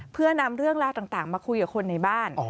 เพื่อนำเรื่องราวต่างมาคุยกับคนในบ้าน